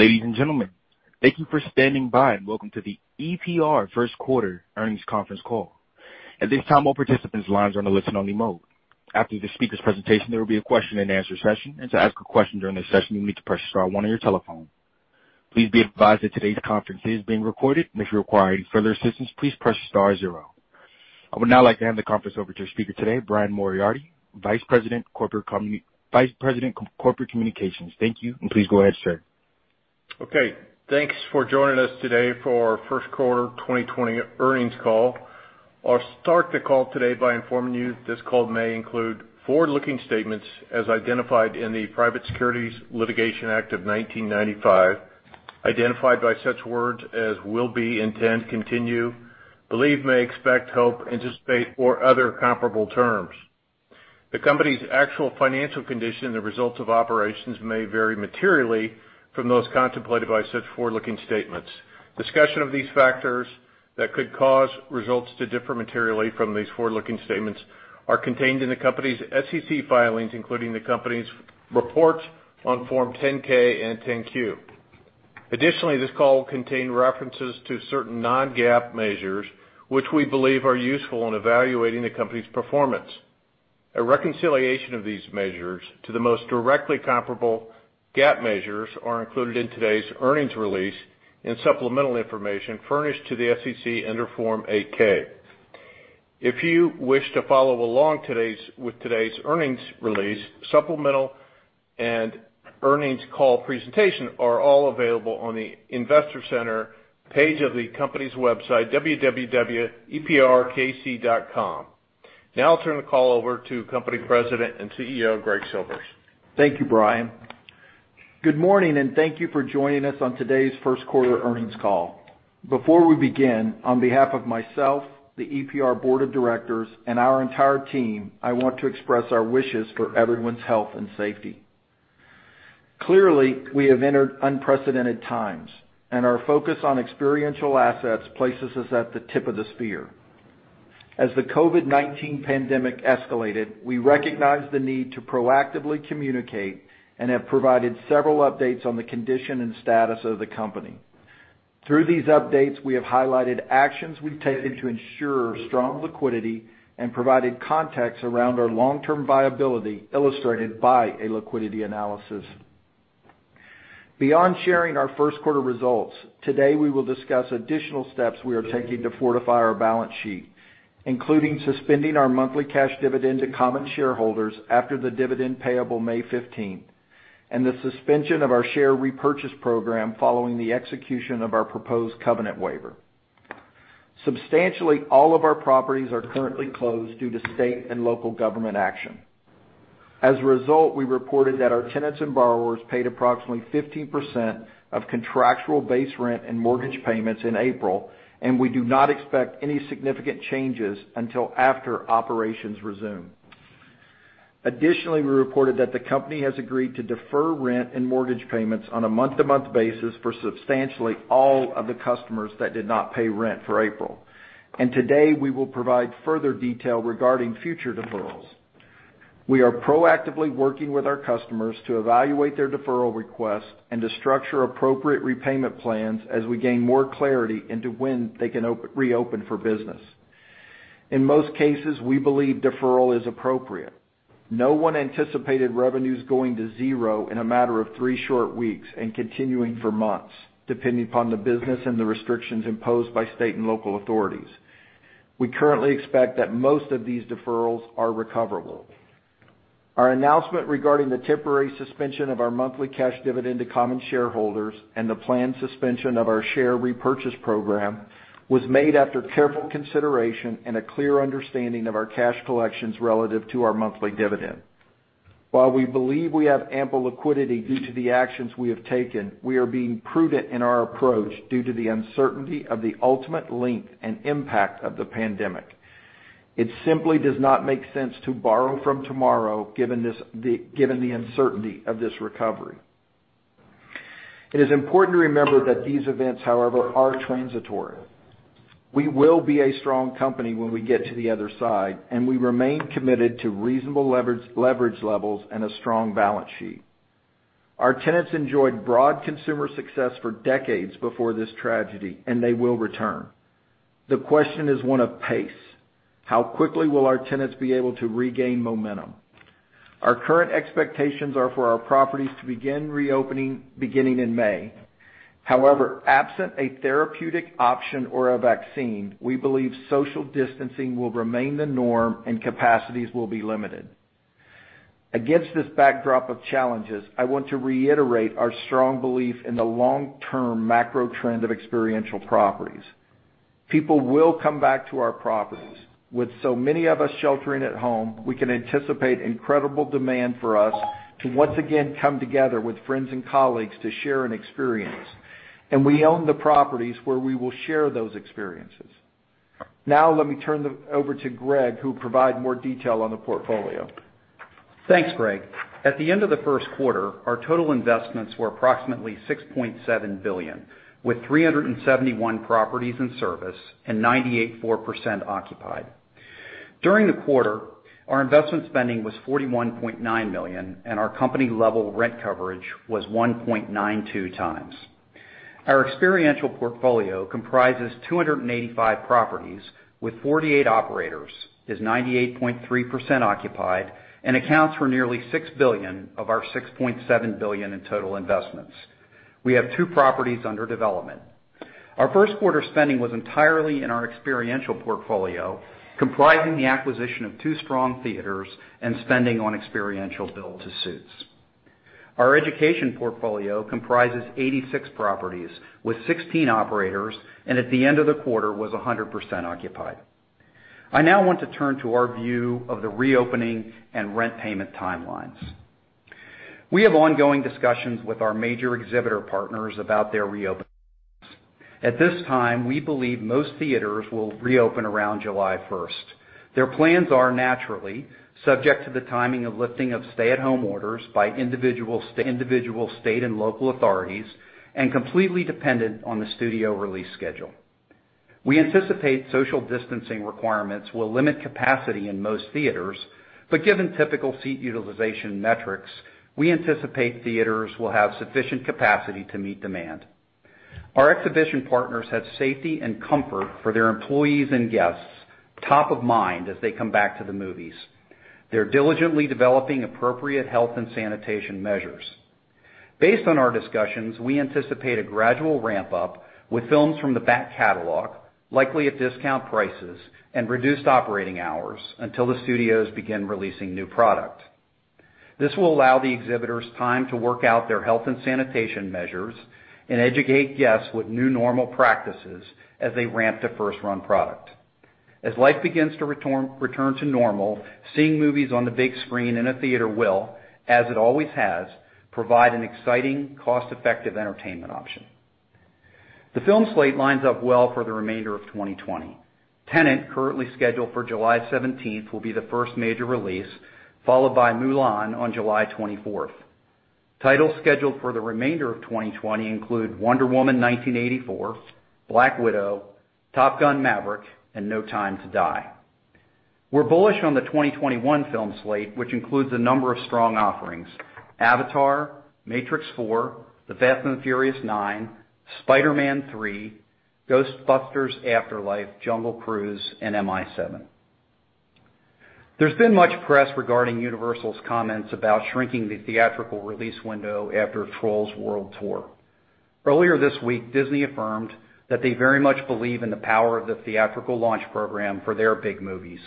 Ladies and gentlemen, thank you for standing by and Welcome to the EPR first quarter earnings conference call. At this time, all participants lines are on a listen only mode. After the speaker's presentation, there will be a question and answer session, and to ask a question during this session, you'll need to press star one on your telephone. Please be advised that today's conference is being recorded, and if you require any further assistance, please press star zero. I would now like to hand the conference over to our speaker today, Brian Moriarty, Vice President, Corporate Communications. Thank you, and please go ahead, sir. Okay. Thanks for joining us today for our first quarter 2020 earnings call. I'll start the call today by informing you this call may include forward-looking statements as identified in the Private Securities Litigation Act of 1995, identified by such words as will be, intent, continue, believe, may, expect, hope, anticipate, or other comparable terms. The company's actual financial condition and the results of operations may vary materially from those contemplated by such forward-looking statements. Discussion of these factors that could cause results to differ materially from these forward-looking statements are contained in the company's SEC filings, including the company's reports on Form 10-K and Form 10-Q. Additionally, this call will contain references to certain non-GAAP measures which we believe are useful in evaluating the company's performance. A reconciliation of these measures to the most directly comparable GAAP measures are included in today's earnings release and supplemental information furnished to the SEC under Form 8-K. If you wish to follow along with today's earnings release, supplemental and earnings call presentation are all available on the investor center page of the company's website, www.eprkc.com. Now I'll turn the call over to company President and CEO, Greg Silvers. Thank you, Brian. Good morning, and thank you for joining us on today's first quarter earnings call. Before we begin, on behalf of myself, the EPR Board of Directors, and our entire team, I want to express our wishes for everyone's health and safety. Clearly we have entered unprecedented times, and our focus on experiential assets places us at the tip of the spear. As the COVID-19 pandemic escalated, we recognized the need to proactively communicate and have provided several updates on the condition and status of the company. Through these updates, we have highlighted actions we've taken to ensure strong liquidity and provided context around our long-term viability, illustrated by a liquidity analysis. Beyond sharing our first quarter results, today we will discuss additional steps we are taking to fortify our balance sheet, including suspending our monthly cash dividend to common shareholders after the dividend payable May 15th, and the suspension of our share repurchase program following the execution of our proposed covenant waiver. Substantially all of our properties are currently closed due to state and local government action. As a result, we reported that our tenants and borrowers paid approximately 15% of contractual base rent and mortgage payments in April, and we do not expect any significant changes until after operations resume. Additionally, we reported that the company has agreed to defer rent and mortgage payments on a month-to-month basis for substantially all of the customers that did not pay rent for April. Today, we will provide further detail regarding future deferrals. We are proactively working with our customers to evaluate their deferral request and to structure appropriate repayment plans as we gain more clarity into when they can reopen for business. In most cases, we believe deferral is appropriate. No one anticipated revenues going to zero in a matter of three short weeks and continuing for months, depending upon the business and the restrictions imposed by state and local authorities. We currently expect that most of these deferrals are recoverable. Our announcement regarding the temporary suspension of our monthly cash dividend to common shareholders and the planned suspension of our share repurchase program was made after careful consideration and a clear understanding of our cash collections relative to our monthly dividend. While we believe we have ample liquidity due to the actions we have taken, we are being prudent in our approach due to the uncertainty of the ultimate length and impact of the pandemic. It simply does not make sense to borrow from tomorrow given the uncertainty of this recovery. It is important to remember that these events, however, are transitory. We will be a strong company when we get to the other side, and we remain committed to reasonable leverage levels and a strong balance sheet. Our tenants enjoyed broad consumer success for decades before this tragedy, and they will return. The question is one of pace. How quickly will our tenants be able to regain momentum? Our current expectations are for our properties to begin reopening beginning in May. However, absent a therapeutic option or a vaccine, we believe social distancing will remain the norm and capacities will be limited. Against this backdrop of challenges, I want to reiterate our strong belief in the long-term macro trend of experiential properties. People will come back to our properties. With so many of us sheltering at home, we can anticipate incredible demand for us to once again come together with friends and colleagues to share an experience. We own the properties where we will share those experiences. Now, let me turn it over to Greg, who will provide more detail on the portfolio. Thanks, Greg. At the end of the first quarter, our total investments were approximately $6.7 billion, with 371 properties in service and 98.4% occupied. During the quarter, our investment spending was $41.9 million, and our company-level rent coverage was 1.92x. Our experiential portfolio comprises 285 properties with 48 operators, is 98.3% occupied, and accounts for nearly $6 billion of our $6.7 billion in total investments. We have two properties under development. Our first quarter spending was entirely in our experiential portfolio, comprising the acquisition of two strong theaters and spending on experiential build-to-suits. Our education portfolio comprises 86 properties with 16 operators, and at the end of the quarter was 100% occupied. I now want to turn to our view of the reopening and rent payment timelines. We have ongoing discussions with our major exhibitor partners about their reopenings. At this time, we believe most theaters will reopen around July 1st. Their plans are naturally subject to the timing of lifting of stay-at-home orders by individual state and local authorities, and completely dependent on the studio release schedule. We anticipate social distancing requirements will limit capacity in most theaters, but given typical seat utilization metrics, we anticipate theaters will have sufficient capacity to meet demand. Our exhibition partners have safety and comfort for their employees and guests top of mind as they come back to the movies. They're diligently developing appropriate health and sanitation measures. Based on our discussions, we anticipate a gradual ramp-up with films from the back catalog, likely at discount prices and reduced operating hours, until the studios begin releasing new product. This will allow the exhibitors time to work out their health and sanitation measures and educate guests with new normal practices as they ramp to first-run product. As life begins to return to normal, seeing movies on the big screen in a theater will, as it always has, provide an exciting, cost-effective entertainment option. The film slate lines up well for the remainder of 2020. "Tenet," currently scheduled for July 17th, will be the first major release, followed by "Mulan" on July 24th. Titles scheduled for the remainder of 2020 include "Wonder Woman 1984," "Black Widow," "Top Gun: Maverick," and "No Time to Die." We're bullish on the 2021 film slate, which includes a number of strong offerings: "Avatar," "Matrix 4," "The Fast and the Furious 9," "Spider-Man 3," "Ghostbusters: Afterlife," "Jungle Cruise," and "MI 7." There's been much press regarding Universal's comments about shrinking the theatrical release window after "Trolls World Tour." Earlier this week, Disney affirmed that they very much believe in the power of the theatrical launch program for their big movies.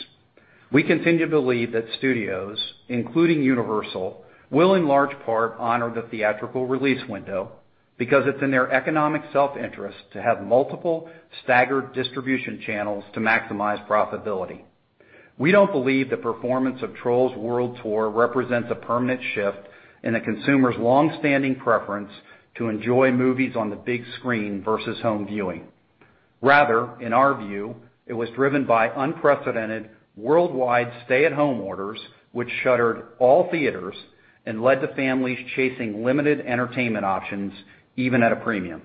We continue to believe that studios, including Universal, will in large part honor the theatrical release window, because it's in their economic self-interest to have multiple staggered distribution channels to maximize profitability. We don't believe the performance of "Trolls World Tour" represents a permanent shift in a consumer's longstanding preference to enjoy movies on the big screen versus home viewing. Rather, in our view, it was driven by unprecedented worldwide stay-at-home orders, which shuttered all theaters and led to families chasing limited entertainment options, even at a premium.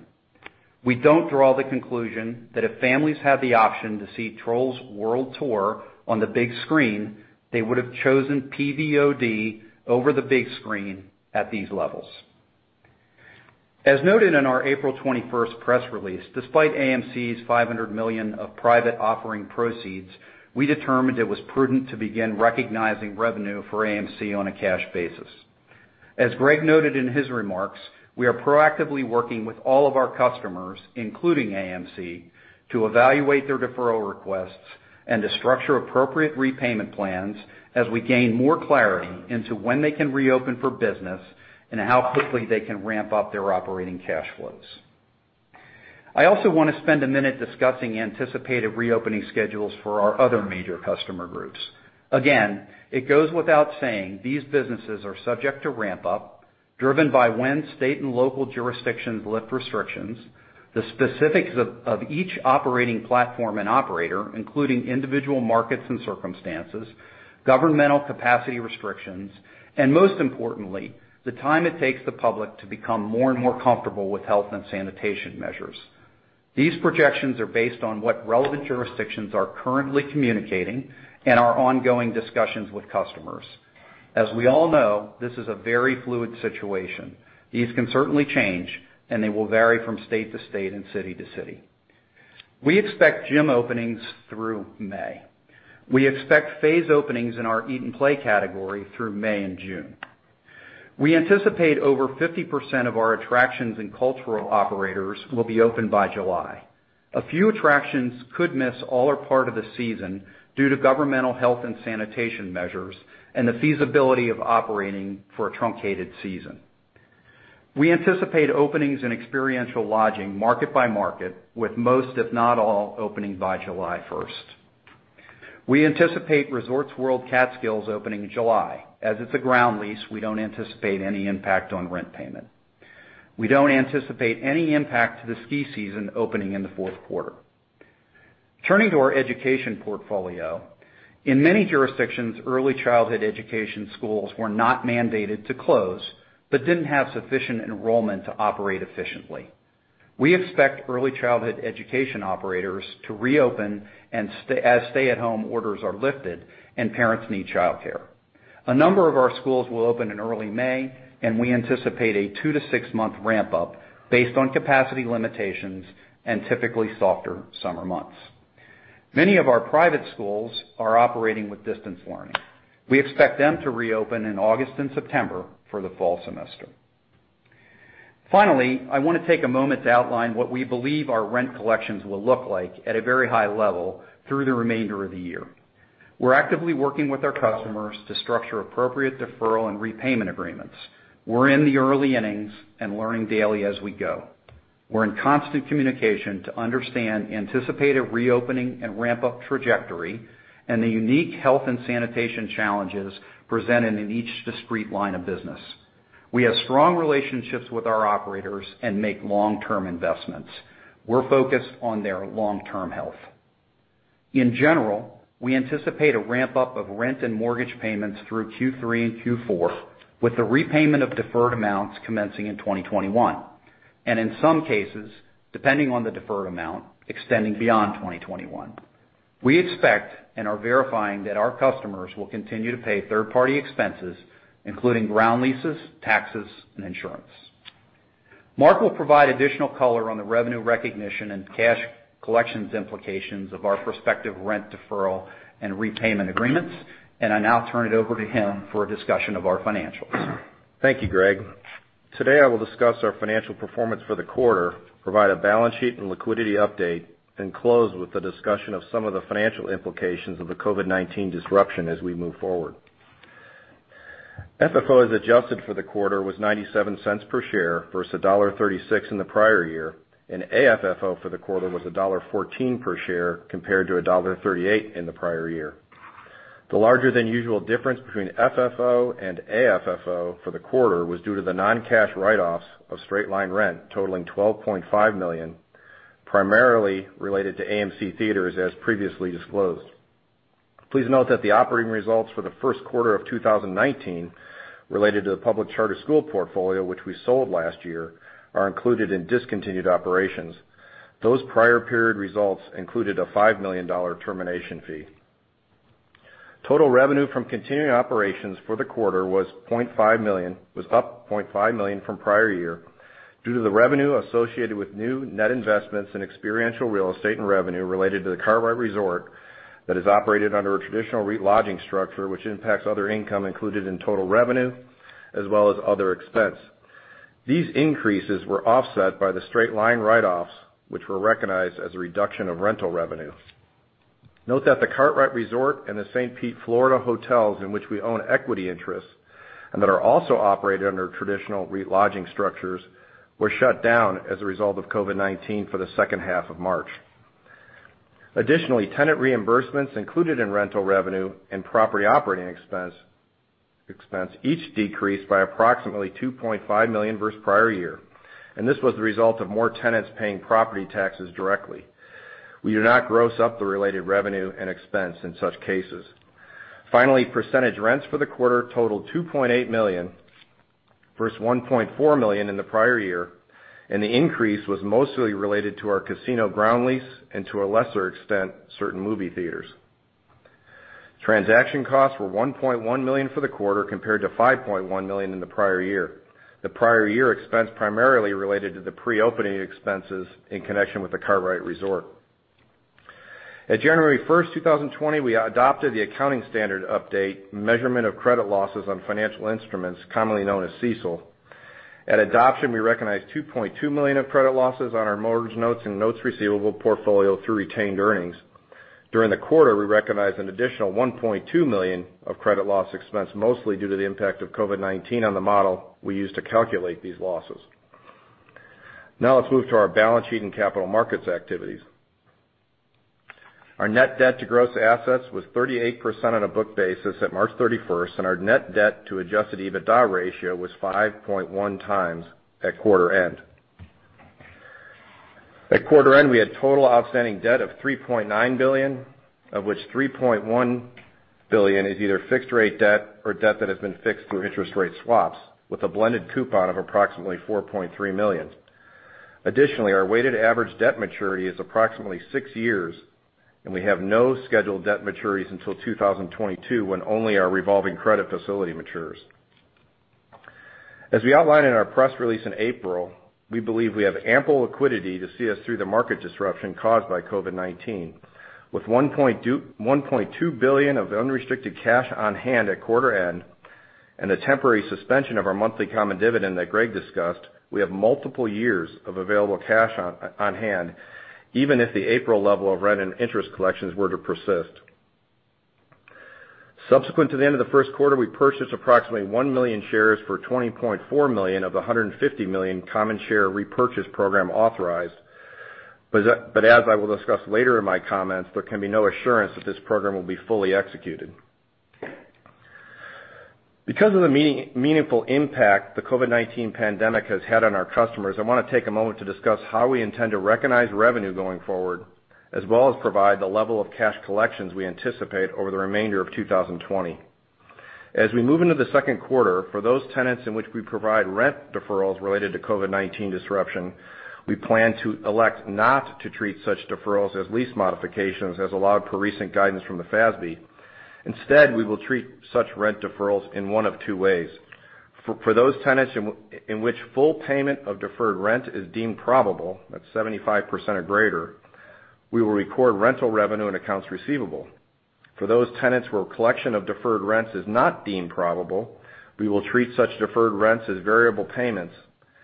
We don't draw the conclusion that if families had the option to see "Trolls World Tour" on the big screen, they would've chosen PVOD over the big screen at these levels. As noted in our April 21st press release, despite AMC's $500 million of private offering proceeds, we determined it was prudent to begin recognizing revenue for AMC on a cash basis. As Greg noted in his remarks, we are proactively working with all of our customers, including AMC, to evaluate their deferral requests and to structure appropriate repayment plans as we gain more clarity into when they can reopen for business and how quickly they can ramp up their operating cash flows. I also want to spend a minute discussing anticipated reopening schedules for our other major customer groups. It goes without saying, these businesses are subject to ramp-up, driven by when state and local jurisdictions lift restrictions, the specifics of each operating platform and operator, including individual markets and circumstances, governmental capacity restrictions, and most importantly, the time it takes the public to become more and more comfortable with health and sanitation measures. These projections are based on what relevant jurisdictions are currently communicating and our ongoing discussions with customers. As we all know, this is a very fluid situation. These can certainly change, and they will vary from state to state and city to city. We expect gym openings through May. We expect phased openings in our eat-and-play category through May and June. We anticipate over 50% of our attractions and cultural operators will be open by July. A few attractions could miss all or part of the season due to governmental health and sanitation measures and the feasibility of operating for a truncated season. We anticipate openings in experiential lodging market by market, with most, if not all, opening by July 1st. We anticipate Resorts World Catskills opening in July. As it's a ground lease, we don't anticipate any impact on rent payment. We don't anticipate any impact to the ski season opening in the fourth quarter. Turning to our education portfolio. In many jurisdictions, early childhood education schools were not mandated to close but didn't have sufficient enrollment to operate efficiently. We expect early childhood education operators to reopen as stay-at-home orders are lifted and parents need childcare. A number of our schools will open in early May, and we anticipate a two to six-month ramp-up based on capacity limitations and typically softer summer months. Many of our private schools are operating with distance learning. We expect them to reopen in August and September for the fall semester. I want to take a moment to outline what we believe our rent collections will look like at a very high level through the remainder of the year. We're actively working with our customers to structure appropriate deferral and repayment agreements. We're in the early innings and learning daily as we go. We're in constant communication to understand anticipated reopening and ramp-up trajectory and the unique health and sanitation challenges presented in each discrete line of business. We have strong relationships with our operators and make long-term investments. We're focused on their long-term health. In general, we anticipate a ramp-up of rent and mortgage payments through Q3 and Q4, with the repayment of deferred amounts commencing in 2021. In some cases, depending on the deferred amount, extending beyond 2021. We expect and are verifying that our customers will continue to pay third-party expenses, including ground leases, taxes, and insurance. Mark will provide additional color on the revenue recognition and cash collections implications of our prospective rent deferral and repayment agreements. I now turn it over to him for a discussion of our financials. Thank you, Greg. Today, I will discuss our financial performance for the quarter, provide a balance sheet and liquidity update, and close with a discussion of some of the financial implications of the COVID-19 disruption as we move forward. FFO as adjusted for the quarter was $0.97 per share versus $1.36 in the prior year, and AFFO for the quarter was $1.14 per share compared to $1.38 in the prior year. The larger than usual difference between FFO and AFFO for the quarter was due to the non-cash write-offs of straight-line rent totaling $12.5 million, primarily related to AMC Theatres as previously disclosed. Please note that the operating results for the first quarter of 2019 related to the public charter school portfolio, which we sold last year, are included in discontinued operations. Those prior period results included a $5 million termination fee. Total revenue from continuing operations for the quarter was up $0.5 million from prior year due to the revenue associated with new net investments in experiential real estate and revenue related to the Kartrite Resort that is operated under a traditional lodging structure, which impacts other income included in total revenue as well as other expense. These increases were offset by the straight-line write-offs, which were recognized as a reduction of rental revenue. Note that the Kartrite Resort and the St. Pete, Florida hotels, in which we own equity interests and that are also operated under traditional lodging structures, were shut down as a result of COVID-19 for the second half of March. Additionally, tenant reimbursements included in rental revenue and property operating expense each decreased by approximately $2.5 million versus prior year, and this was the result of more tenants paying property taxes directly. We do not gross up the related revenue and expense in such cases. Percentage rents for the quarter totaled $2.8 million versus $1.4 million in the prior year. The increase was mostly related to our casino ground lease and to a lesser extent, certain movie theaters. Transaction costs were $1.1 million for the quarter compared to $5.1 million in the prior year. The prior year expense primarily related to the pre-opening expenses in connection with the Kartrite Resort. At January 1st, 2020, we adopted the accounting standard update, Measurement of Credit Losses on Financial Instruments, commonly known as CECL. At adoption, we recognized $2.2 million of credit losses on our mortgage notes and notes receivable portfolio through retained earnings. During the quarter, we recognized an additional $1.2 million of credit loss expense, mostly due to the impact of COVID-19 on the model we use to calculate these losses. Now let's move to our balance sheet and capital markets activities. Our net debt to gross assets was 38% on a book basis at March 31st, and our net debt to adjusted EBITDA ratio was 5.1x at quarter end. At quarter end, we had total outstanding debt of $3.9 billion, of which $3.1 billion is either fixed rate debt or debt that has been fixed through interest rate swaps with a blended coupon of approximately $4.3 million. Additionally, our weighted average debt maturity is approximately six years, and we have no scheduled debt maturities until 2022, when only our revolving credit facility matures. As we outlined in our press release in April, we believe we have ample liquidity to see us through the market disruption caused by COVID-19. With $1.2 billion of unrestricted cash on hand at quarter end and the temporary suspension of our monthly common dividend that Greg discussed, we have multiple years of available cash on hand, even if the April level of rent and interest collections were to persist. Subsequent to the end of the first quarter, we purchased approximately 1 million shares for $20.4 million of $150 million common share repurchase program authorized. As I will discuss later in my comments, there can be no assurance that this program will be fully executed. Because of the meaningful impact the COVID-19 pandemic has had on our customers, I want to take a moment to discuss how we intend to recognize revenue going forward, as well as provide the level of cash collections we anticipate over the remainder of 2020. As we move into the second quarter, for those tenants in which we provide rent deferrals related to COVID-19 disruption, we plan to elect not to treat such deferrals as lease modifications as allowed per recent guidance from the FASB. Instead, we will treat such rent deferrals in one of two ways. For those tenants in which full payment of deferred rent is deemed probable, that's 75% or greater, we will record rental revenue and accounts receivable. For those tenants where collection of deferred rents is not deemed probable, we will treat such deferred rents as variable payments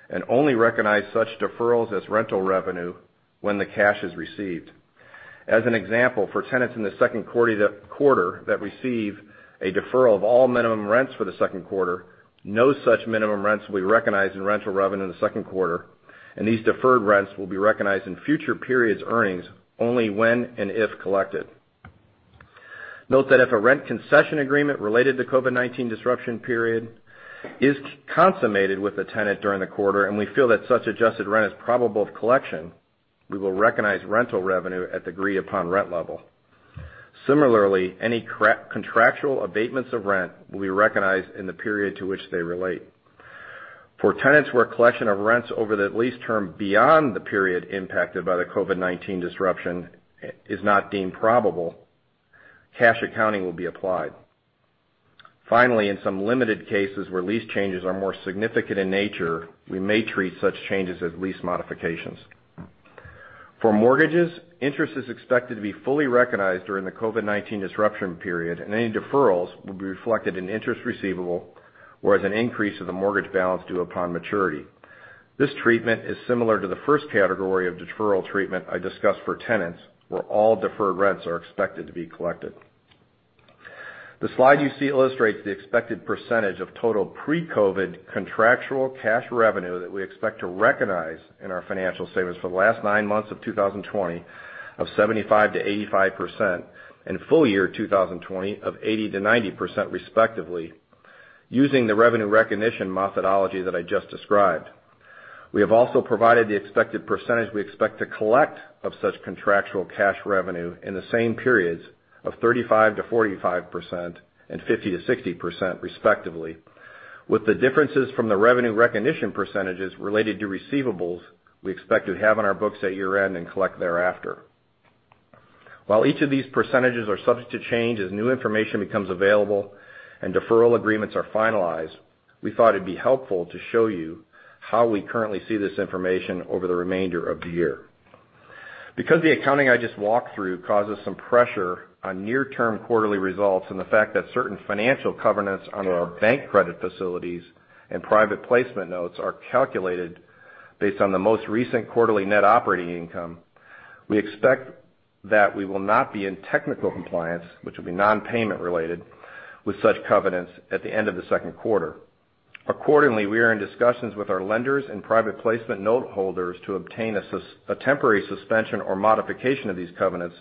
and only recognize such deferrals as rental revenue when the cash is received. As an example, for tenants in the second quarter that receive a deferral of all minimum rents for the second quarter, no such minimum rents will be recognized in rental revenue in the second quarter, and these deferred rents will be recognized in future periods' earnings only when and if collected. Note that if a rent concession agreement related to COVID-19 disruption period is consummated with the tenant during the quarter, and we feel that such adjusted rent is probable of collection, we will recognize rental revenue at the agree-upon rent level. Similarly, any contractual abatements of rent will be recognized in the period to which they relate. For tenants where collection of rents over the lease term beyond the period impacted by the COVID-19 disruption is not deemed probable, cash accounting will be applied. In some limited cases where lease changes are more significant in nature, we may treat such changes as lease modifications. For mortgages, interest is expected to be fully recognized during the COVID-19 disruption period, and any deferrals will be reflected in interest receivable or as an increase of the mortgage balance due upon maturity. This treatment is similar to the first category of deferral treatment I discussed for tenants, where all deferred rents are expected to be collected. The slide you see illustrates the expected percentage of total pre-COVID contractual cash revenue that we expect to recognize in our financial statements for the last nine months of 2020 of 75%-85%, and full year 2020 of 80%-90%, respectively, using the revenue recognition methodology that I just described. We have also provided the expected percentage we expect to collect of such contractual cash revenue in the same periods of 35%-45% and 50%-60%, respectively. With the differences from the revenue recognition percentages related to receivables, we expect to have on our books at year-end and collect thereafter. While each of these percentages are subject to change as new information becomes available and deferral agreements are finalized, we thought it'd be helpful to show you how we currently see this information over the remainder of the year. Because the accounting I just walked through causes some pressure on near-term quarterly results and the fact that certain financial covenants under our bank credit facilities and private placement notes are calculated based on the most recent quarterly net operating income, we expect that we will not be in technical compliance, which will be non-payment related, with such covenants at the end of the second quarter. We are in discussions with our lenders and private placement note holders to obtain a temporary suspension or modification of these covenants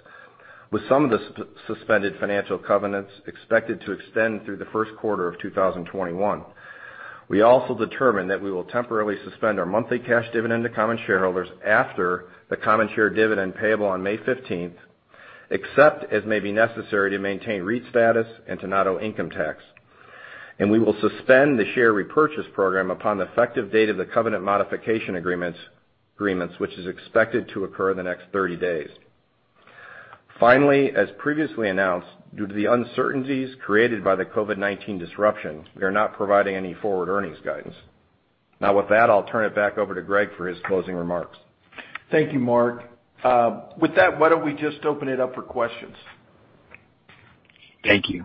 with some of the suspended financial covenants expected to extend through the first quarter of 2021. We also determined that we will temporarily suspend our monthly cash dividend to common shareholders after the common share dividend payable on May 15th, except as may be necessary to maintain REIT status and to not owe income tax. We will suspend the share repurchase program upon the effective date of the covenant modification agreements, which is expected to occur in the next 30 days. Finally, as previously announced, due to the uncertainties created by the COVID-19 disruption, we are not providing any forward earnings guidance. Now with that, I'll turn it back over to Greg for his closing remarks. Thank you, Mark. With that, why don't we just open it up for questions? Thank you.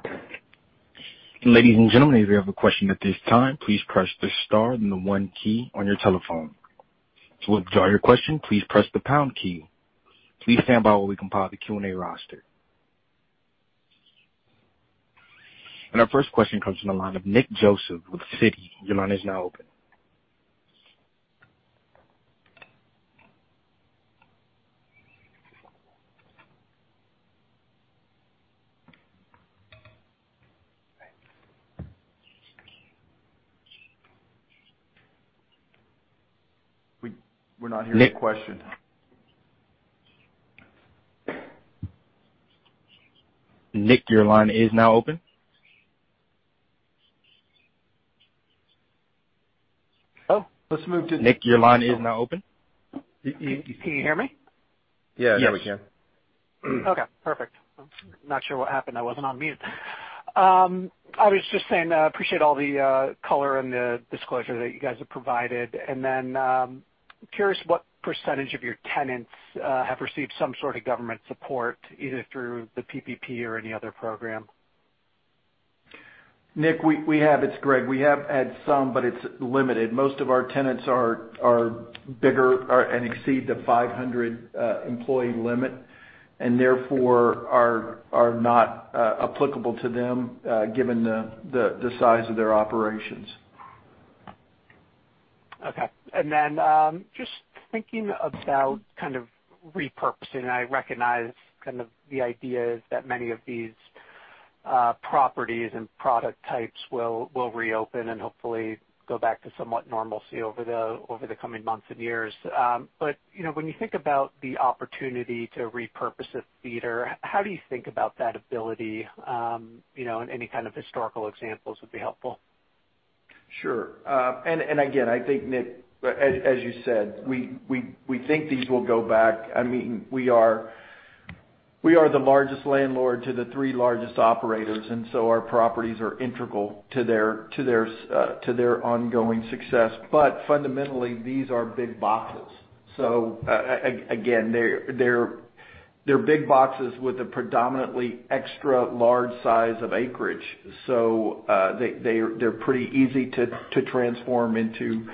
Our 1st question comes from the line of Nick Joseph with Citi. Your line is now open. We're not hearing the question. Nick. Nick, your line is now open. Oh, let's move to. Nick, your line is now open. Can you hear me? Yes. Yeah, we can. Okay, perfect. I'm not sure what happened. I wasn't on mute. I was just saying I appreciate all the color and the disclosure that you guys have provided. I'm curious what percentage of your tenants have received some sort of government support, either through the PPP or any other program? Nick, it's Greg. We have had some, but it's limited. Most of our tenants are bigger and exceed the 500 employee limit and therefore are not applicable to them given the size of their operations. Okay. Just thinking about kind of repurposing, I recognize kind of the idea is that many of these properties and product types will reopen and hopefully go back to somewhat normalcy over the coming months and years. When you think about the opportunity to repurpose a theater, how do you think about that ability? Any kind of historical examples would be helpful. Sure. Again, I think, Nick, as you said, we think these will go back. We are the largest landlord to the three largest operators, our properties are integral to their ongoing success. Fundamentally, these are big boxes. Again, they're big boxes with a predominantly extra large size of acreage. They're pretty easy to transform into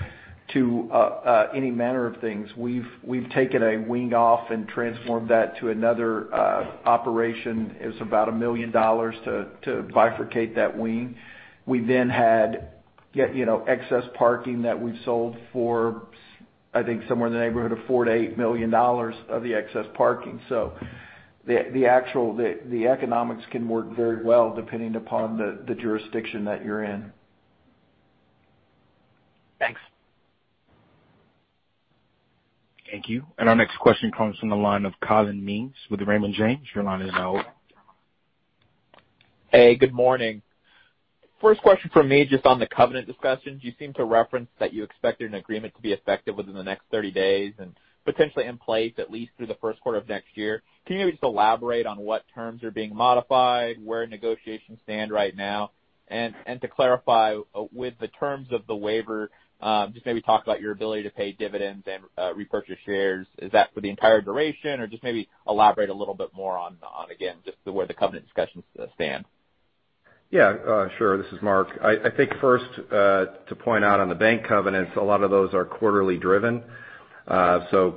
any manner of things. We've taken a wing off and transformed that to another operation. It was about $1 million to bifurcate that wing. We had excess parking that we've sold for, I think, somewhere in the neighborhood of $4 million-$8 million of the excess parking. The economics can work very well depending upon the jurisdiction that you're in. Thanks. Thank you. Our next question comes from the line of Collin Mings with Raymond James. Your line is now open. Hey, good morning. 1st question from me, just on the covenant discussions. You seem to reference that you expected an agreement to be effective within the next 30 days, and potentially in place at least through the first quarter of next year. Can you maybe just elaborate on what terms are being modified, where negotiations stand right now? To clarify with the terms of the waiver, just maybe talk about your ability to pay dividends and repurchase shares. Is that for the entire duration? Just maybe elaborate a little bit more on, again, just where the covenant discussions stand. Yeah, sure. This is Mark. I think 1st, to point out on the bank covenants, a lot of those are quarterly driven. You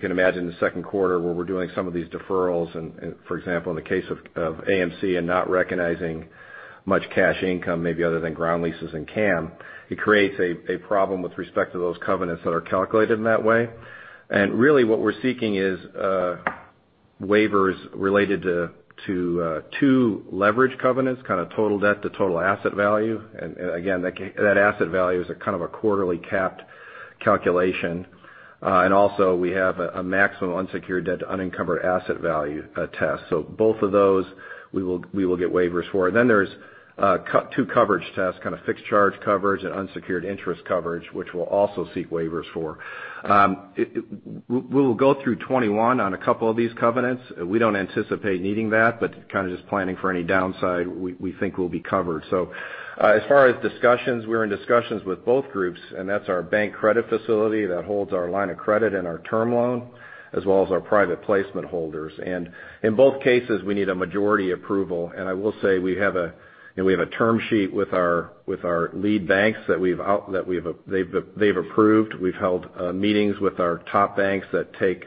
can imagine the second quarter where we're doing some of these deferrals, and, for example, in the case of AMC and not recognizing much cash income maybe other than ground leases and CAM, it creates a problem with respect to those covenants that are calculated in that way. Really what we're seeking is waivers related to two leverage covenants, kind of total debt to total asset value. Again, that asset value is a kind of a quarterly capped calculation. Also we have a maximum unsecured debt to unencumbered asset value test. Both of those we will get waivers for. There's two coverage tests, kind of fixed charge coverage and unsecured interest coverage, which we'll also seek waivers for. We will go through 2021 on a couple of these covenants. We don't anticipate needing that, but kind of just planning for any downside, we think we'll be covered. As far as discussions, we're in discussions with both groups, and that's our bank credit facility that holds our line of credit and our term loan, as well as our private placement holders. In both cases, we need a majority approval. I will say we have a term sheet with our lead banks that they've approved. We've held meetings with our top banks that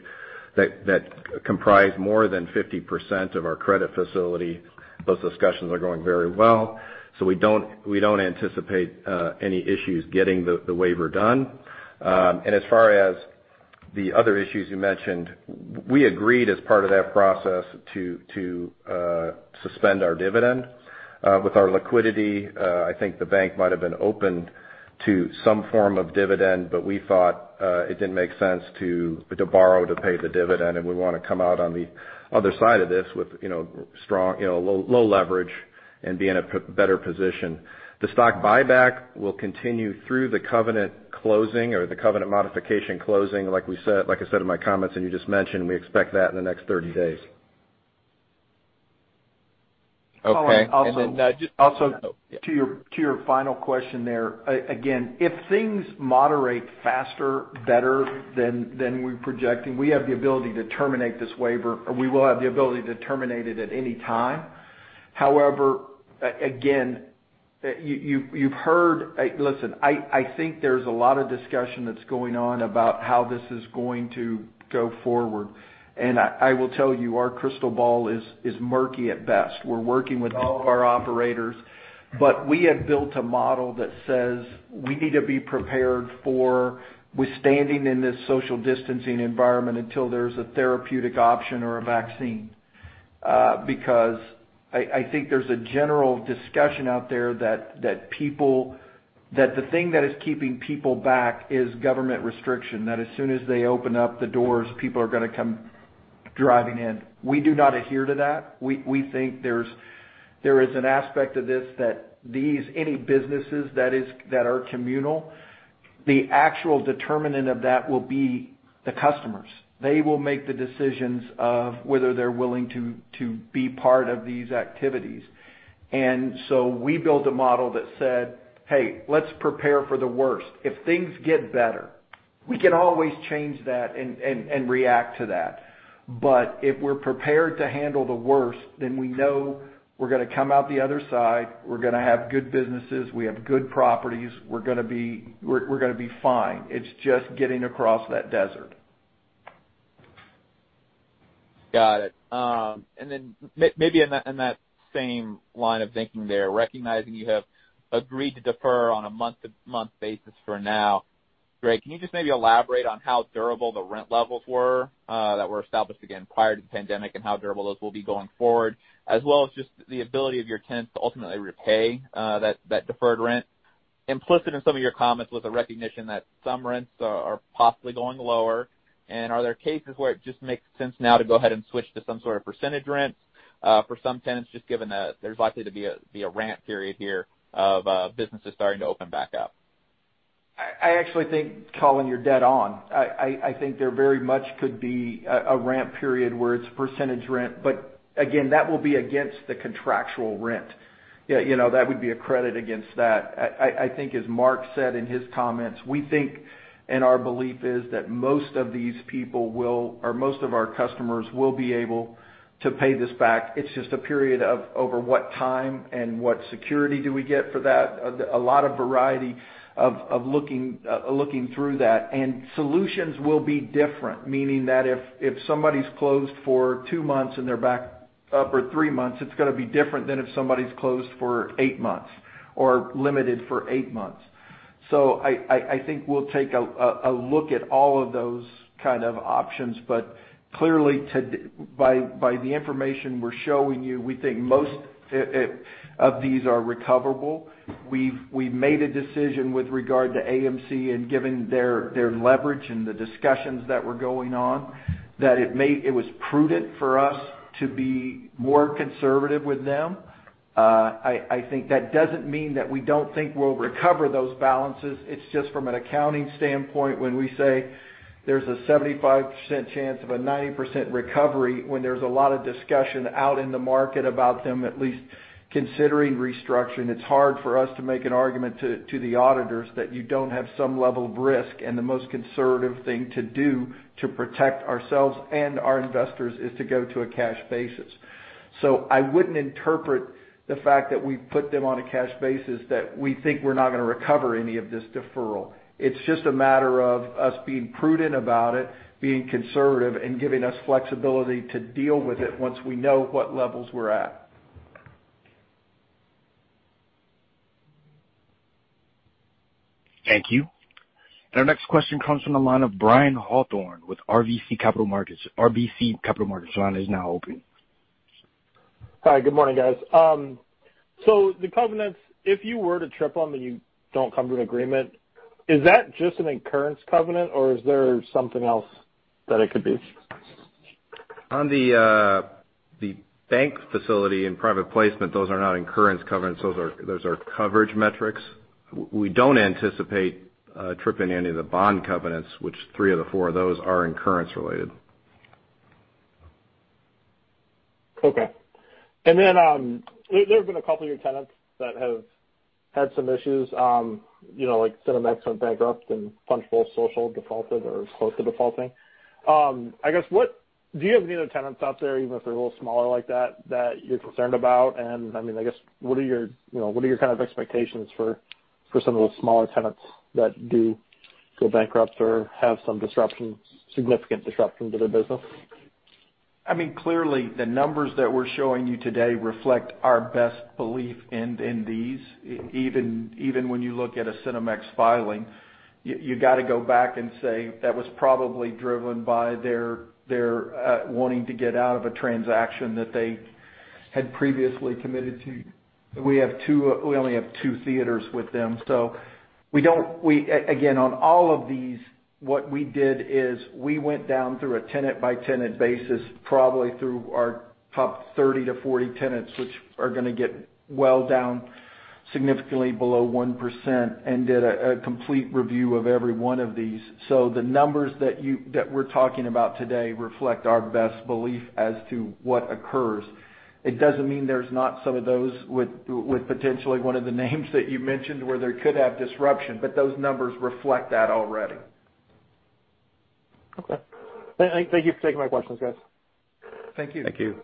comprise more than 50% of our credit facility. Those discussions are going very well. We don't anticipate any issues getting the waiver done. As far as the other issues you mentioned, we agreed as part of that process to suspend our dividend. With our liquidity, I think the bank might have been open to some form of dividend, but we thought it didn't make sense to borrow to pay the dividend, and we want to come out on the other side of this with low leverage and be in a better position. The stock buyback will continue through the covenant closing or the covenant modification closing, like I said in my comments, and you just mentioned, we expect that in the next 30 days. Collin, also to your final question there. Again, if things moderate faster, better than we're projecting, we have the ability to terminate this waiver, or we will have the ability to terminate it at any time. However, again, listen, I think there's a lot of discussion that's going on about how this is going to go forward. I will tell you, our crystal ball is murky at best. We're working with all of our operators. We have built a model that says we need to be prepared for withstanding in this social distancing environment until there's a therapeutic option or a vaccine. I think there's a general discussion out there that the thing that is keeping people back is government restriction, that as soon as they open up the doors, people are going to come driving in. We do not adhere to that. We think there is an aspect of this that any businesses that are communal, the actual determinant of that will be the customers. They will make the decisions of whether they're willing to be part of these activities. We built a model that said, "Hey, let's prepare for the worst." If things get better, we can always change that and react to that. If we're prepared to handle the worst, then we know we're going to come out the other side, we're going to have good businesses, we have good properties, we're going to be fine. It's just getting across that desert. Got it. Then maybe in that same line of thinking there, recognizing you have agreed to defer on a month-to-month basis for now, Greg, can you just maybe elaborate on how durable the rent levels were that were established, again, prior to the pandemic, and how durable those will be going forward? As well as just the ability of your tenants to ultimately repay that deferred rent. Implicit in some of your comments was a recognition that some rents are possibly going lower. Are there cases where it just makes sense now to go ahead and switch to some sort of percentage rent for some tenants, just given that there's likely to be a ramp period here of businesses starting to open back up? I actually think, Collin, you're dead on. I think there very much could be a ramp period where it's percentage rent, again, that will be against the contractual rent. That would be a credit against that. I think as Mark said in his comments, we think and our belief is that most of these people will, or most of our customers will be able to pay this back. It's just a period of over what time and what security do we get for that? A lot of variety of looking through that. Solutions will be different, meaning that if somebody's closed for two months and they're back up for three months, it's going to be different than if somebody's closed for eight months or limited for eight months. I think we'll take a look at all of those kind of options. Clearly, by the information we're showing you, we think most of these are recoverable. We've made a decision with regard to AMC and given their leverage and the discussions that were going on, that it was prudent for us to be more conservative with them. I think that doesn't mean that we don't think we'll recover those balances. It's just from an accounting standpoint, when we say there's a 75% chance of a 90% recovery, when there's a lot of discussion out in the market about them at least considering restructuring, it's hard for us to make an argument to the auditors that you don't have some level of risk. The most conservative thing to do to protect ourselves and our investors is to go to a cash basis. I wouldn't interpret the fact that we've put them on a cash basis that we think we're not going to recover any of this deferral. It's just a matter of us being prudent about it, being conservative, and giving us flexibility to deal with it once we know what levels we're at. Thank you. Our next question comes from the line of Brian Hawthorne with RBC Capital Markets. Your line is now open. Hi. Good morning, guys. The covenants, if you were to trip on them and you don't come to an agreement, is that just an incurrence covenant or is there something else that it could be? On the bank facility and private placement, those are not incurrence covenants. Those are coverage metrics. We don't anticipate tripping any of the bond covenants, which three of the four of those are incurrence related. Okay. There have been a couple of your tenants that have had some issues, like Cinemex went bankrupt and Punch Bowl Social defaulted or is close to defaulting. I guess, do you have any other tenants out there, even if they're a little smaller like that you're concerned about? What are your kind of expectations for some of those smaller tenants that do go bankrupt or have some significant disruption to their business? Clearly, the numbers that we're showing you today reflect our best belief in these. Even when you look at a Cinemex filing, you got to go back and say that was probably driven by their wanting to get out of a transaction that they had previously committed to. We only have two theaters with them. Again, on all of these, what we did is we went down through a tenant-by-tenant basis, probably through our top 30-40 tenants, which are going to get well down significantly below 1%, and did a complete review of every one of these. The numbers that we're talking about today reflect our best belief as to what occurs. It doesn't mean there's not some of those with potentially one of the names that you mentioned, where there could have disruption, but those numbers reflect that already. Okay. Thank you for taking my questions, guys. Thank you. Thank you.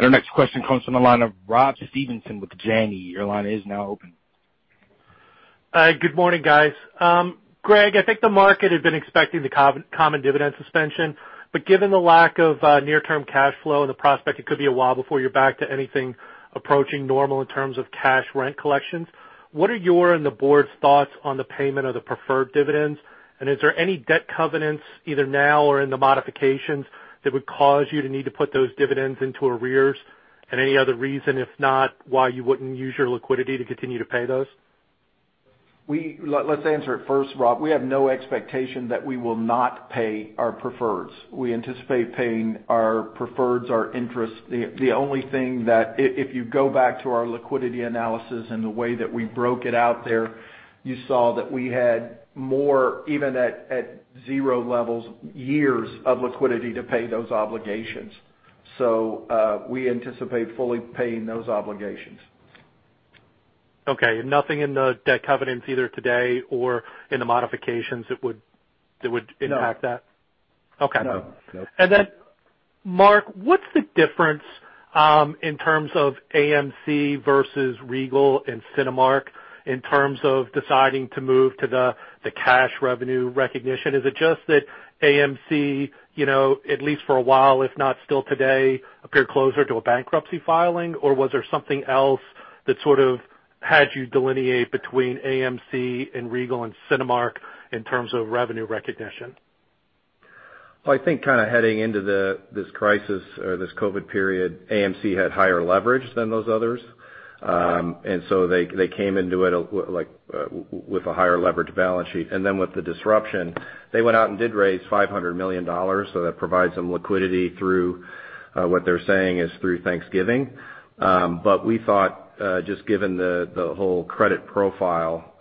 Our next question comes from the line of Rob Stevenson with Janney. Your line is now open. Good morning, guys. Greg, I think the market had been expecting the common dividend suspension, but given the lack of near-term cash flow and the prospect it could be a while before you're back to anything approaching normal in terms of cash rent collections, what are your and the board's thoughts on the payment of the preferred dividends? Is there any debt covenants either now or in the modifications that would cause you to need to put those dividends into arrears? Any other reason, if not, why you wouldn't use your liquidity to continue to pay those? Let's answer it first, Rob. We have no expectation that we will not pay our preferreds. We anticipate paying our preferreds, our interest. The only thing that if you go back to our liquidity analysis and the way that we broke it out there, you saw that we had more, even at zero levels, years of liquidity to pay those obligations. We anticipate fully paying those obligations. Okay. Nothing in the debt covenants, either today or in the modifications that would impact that? No. Okay. No. Mark, what's the difference in terms of AMC versus Regal and Cinemark in terms of deciding to move to the cash revenue recognition? Is it just that AMC, at least for a while, if not still today, appeared closer to a bankruptcy filing? Or was there something else that sort of had you delineate between AMC and Regal and Cinemark in terms of revenue recognition? I think kind of heading into this crisis or this COVID-19 period, AMC had higher leverage than those others. So they came into it with a higher leverage balance sheet. Then with the disruption, they went out and did raise $500 million. That provides some liquidity through, what they're saying is through Thanksgiving. We thought, just given the whole credit profile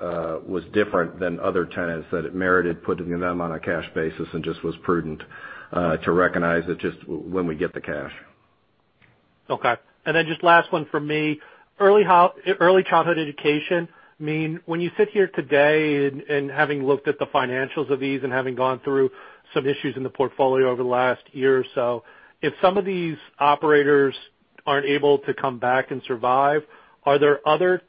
was different than other tenants, that it merited putting them on a cash basis and just was prudent to recognize that just when we get the cash. Okay. Just last one from me. Early childhood education. When you sit here today and having looked at the financials of these and having gone through some issues in the portfolio over the last year or so, if some of these operators aren't able to come back and survive, are there other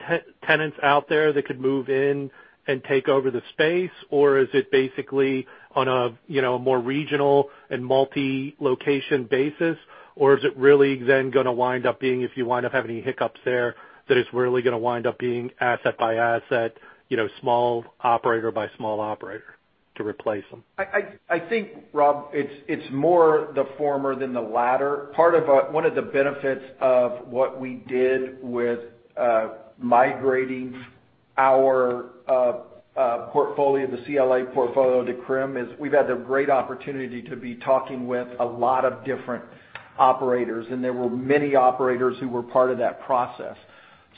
tenants out there that could move in and take over the space? Is it basically on a more regional and multi-location basis? Is it really then going to wind up being, if you wind up having any hiccups there, that it's really going to wind up being asset by asset, small operator by small operator to replace them? I think, Rob, it's more the former than the latter. One of the benefits of what we did with migrating our portfolio, the CLA portfolio to CRM, is we've had the great opportunity to be talking with a lot of different operators, and there were many operators who were part of that process.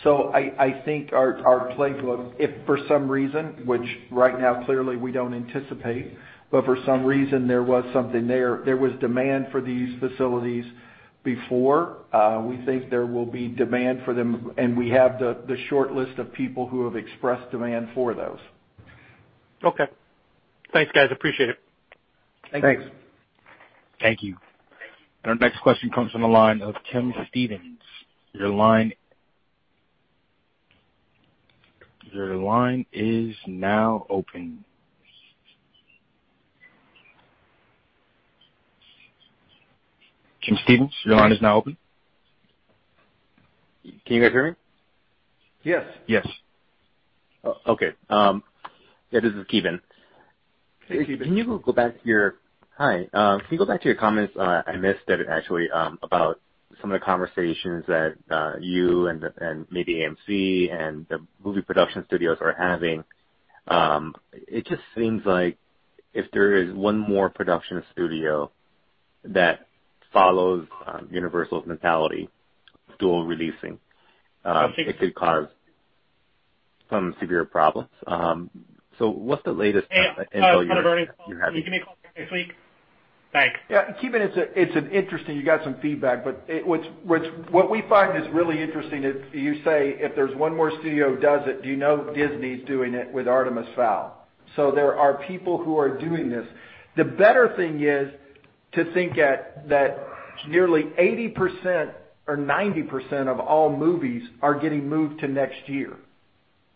I think our playbook, if for some reason, which right now clearly we don't anticipate, but for some reason there was something there. There was demand for these facilities before. We think there will be demand for them, and we have the short list of people who have expressed demand for those. Okay. Thanks, guys. Appreciate it. Thanks. Thank you. Our next question comes from the line of Kevin Stephens. Your line is now open. Kevin Stephens, your line is now open. Can you guys hear me? Yes. Yes. Okay. Yeah, this is Kevin. Hey, Kevin. Hi. Can you go back to your comments, I missed it actually, about some of the conversations that you and maybe AMC and the movie production studios are having. It just seems like if there is one more production studio that follows Universal's mentality, dual releasing. I think- It could cause some severe problems. What's the latest intel you have? Kevin, you got some feedback, but what we find is really interesting is you say if there's one more studio does it, you know Disney's doing it with "Artemis Fowl." There are people who are doing this. The better thing is to think that nearly 80% or 90% of all movies are getting moved to next year.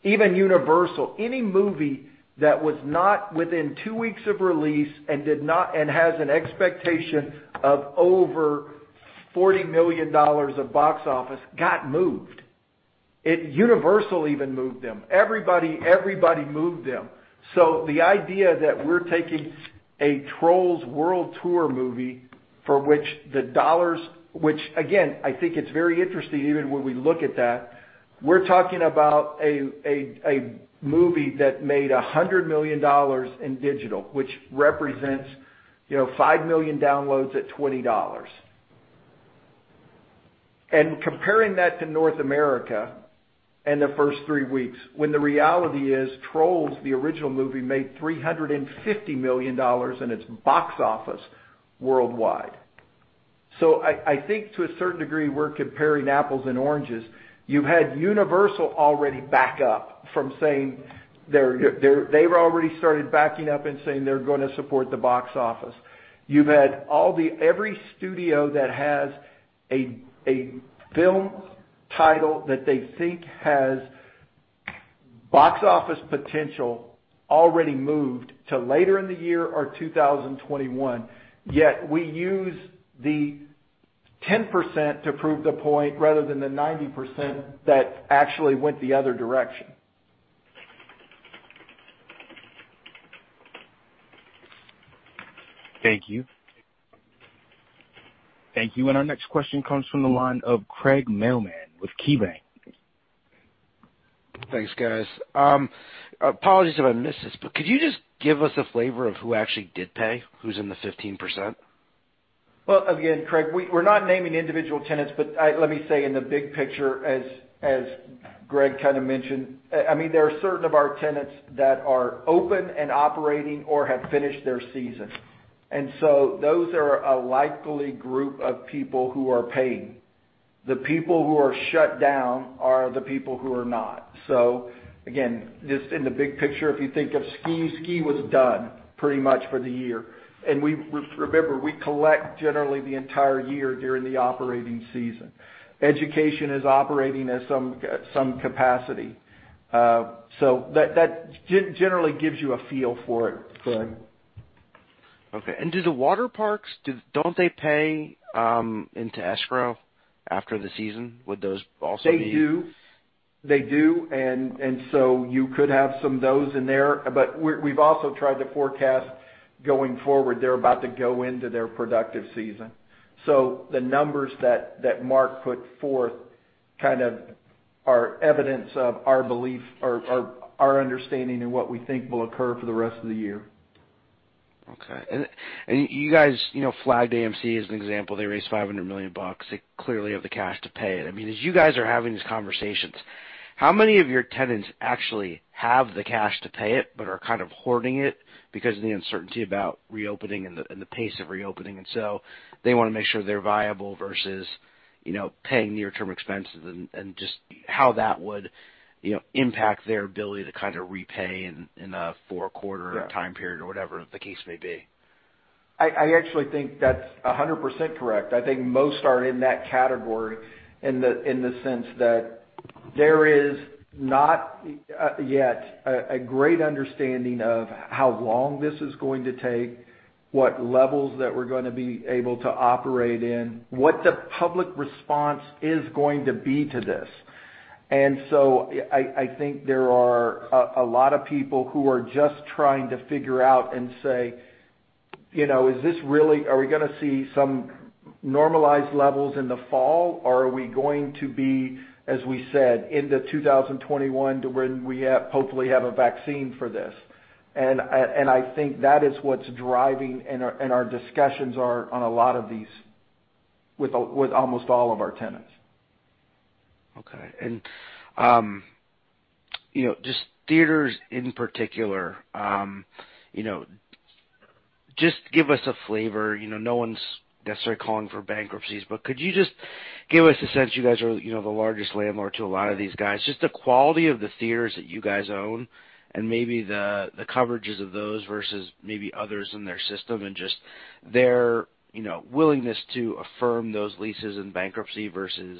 Even Universal. Any movie that was not within two weeks of release and has an expectation of over $40 million of box office, got moved. Universal even moved them. Everybody moved them. The idea that we're taking a "Trolls World Tour" movie for which the dollars Which again, I think it's very interesting even when we look at that, we're talking about a movie that made $100 million in digital, which represents 5 million downloads at $20. Comparing that to North America in the first three weeks, when the reality is, "Trolls," the original movie, made $350 million in its box office worldwide. I think to a certain degree, we're comparing apples and oranges. You've had Universal already back up. They've already started backing up and saying they're going to support the box office. You've had every studio that has a film title that they think has box office potential already moved to later in the year or 2021. Yet we use the 10% to prove the point rather than the 90% that actually went the other direction. Thank you. Thank you. Our next question comes from the line of Craig Mailman with KeyBanc. Thanks, guys. Apologies if I missed this, but could you just give us a flavor of who actually did pay? Who's in the 15%? Well, again, Craig, we're not naming individual tenants, but let me say in the big picture, as Greg kind of mentioned, there are certain of our tenants that are open and operating or have finished their season. Those are a likely group of people who are paying. The people who are shut down are the people who are not. Again, just in the big picture, if you think of ski was done pretty much for the year, and remember, we collect generally the entire year during the operating season. Education is operating at some capacity. That generally gives you a feel for it, Craig. Okay. Do the water parks, don't they pay into escrow after the season? They do. They do, you could have some of those in there. We've also tried to forecast going forward. They're about to go into their productive season. The numbers that Mark put forth kind of are evidence of our belief or our understanding of what we think will occur for the rest of the year. Okay. You guys flagged AMC as an example. They raised $500 million. They clearly have the cash to pay it. As you guys are having these conversations, how many of your tenants actually have the cash to pay it but are kind of hoarding it because of the uncertainty about reopening and the pace of reopening? They want to make sure they're viable versus paying near-term expenses and just how that would impact their ability to kind of repay in a four-quarter time period or whatever the case may be? I actually think that's 100% correct. I think most are in that category in the sense that there is not yet a great understanding of how long this is going to take, what levels that we're going to be able to operate in, what the public response is going to be to this. I think there are a lot of people who are just trying to figure out and say, "Are we going to see some normalized levels in the fall, or are we going to be, as we said, into 2021 to when we hopefully have a vaccine for this?" I think that is what's driving, and our discussions are on a lot of these with almost all of our tenants. Okay. Just theaters in particular, just give us a flavor. No one's necessarily calling for bankruptcies, could you just give us a sense, you guys are the largest landlord to a lot of these guys, just the quality of the theaters that you guys own and maybe the coverages of those versus maybe others in their system and just their willingness to affirm those leases in bankruptcy versus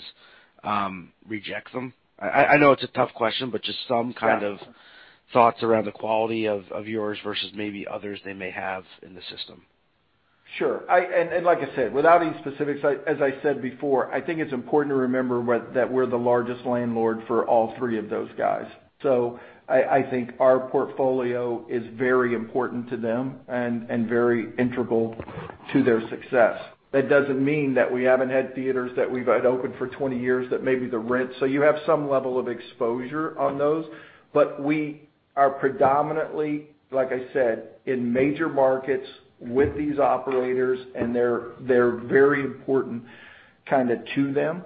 reject them? I know it's a tough question, just some kind of thoughts around the quality of yours versus maybe others they may have in the system. Sure. Like I said, without any specifics, as I said before, I think it's important to remember that we're the largest landlord for all three of those guys. I think our portfolio is very important to them and very integral to their success. That doesn't mean that we haven't had theaters that we've had open for 20 years that may be the rent. You have some level of exposure on those. We are predominantly, like I said, in major markets with these operators, and they're very important kind of to them.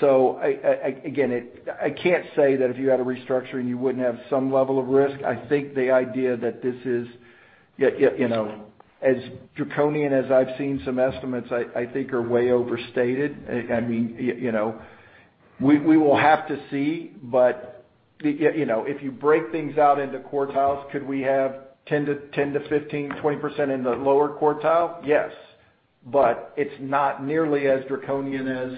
Again, I can't say that if you had a restructuring, you wouldn't have some level of risk. I think the idea that this is as draconian as I've seen some estimates, I think are way overstated. We will have to see. If you break things out into quartiles, could we have 10%-15%, 20% in the lower quartile? Yes. It's not nearly as draconian as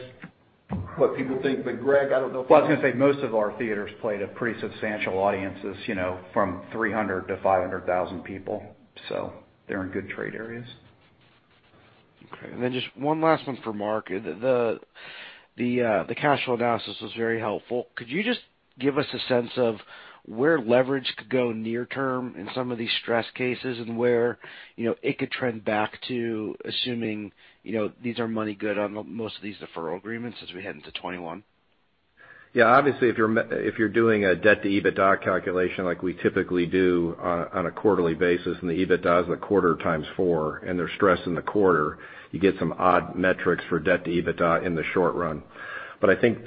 what people think. Greg, I don't know if. Well, I was going to say, most of our theaters played at pretty substantial audiences from 300,000-500,000 people. They're in good trade areas. Okay. Just one last one for Mark. The cash flow analysis was very helpful. Could you just give us a sense of where leverage could go near term in some of these stress cases and where it could trend back to assuming these are money good on most of these deferral agreements as we head into 2021? Yeah. Obviously, if you're doing a debt-to-EBITDA calculation like we typically do on a quarterly basis, and the EBITDA is a quarter times four, and they're stressing the quarter, you get some odd metrics for debt-to-EBITDA in the short run. I think